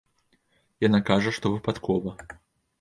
Яна кажа, што выпадкова.